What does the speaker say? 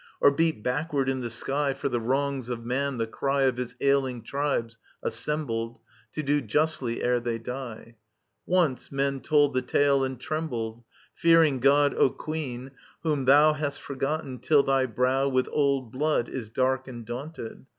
Or beat backward in the sky, For the wrongs of man, the cry Of his ailing tribes assembled. To do justly, ere they die ! Once, men told the tale, and trembled ; Digitized by VjOOQIC so EURIPIDES Fearing God, O Queen : whom thou Hast forgotten, till thy brow With old blood is dark and daunted.